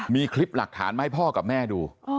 มีคลิปหลักฐานมาให้พ่อกับแม่ดู